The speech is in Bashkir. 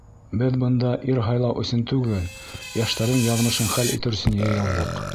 Беҙ бында ир һайлау өсөн түгел, йәштәрҙең яҙмышын хәл итер өсөн йыйылдыҡ.